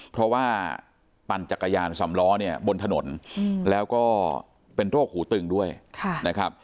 เพราะว่าปั่นจักรยานสำล้อเนี่ยบนถนนแล้วก็เป็นโรคหูตึงด้วยนะครับ